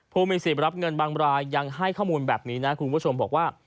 ผู้มีสิทธิ์รับเงินบางรายยังให้ข้อมูลแบบนี้นะคุณผู้ชมบอกว่า